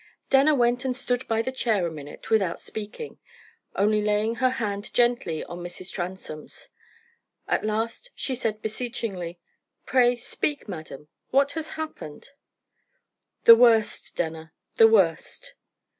Denner went and stood by the chair a minute without speaking, only laying her hand gently on Mrs. Transome's. At last she said beseechingly, "Pray, speak, madam. What has happened?" "The worst, Denner the worst."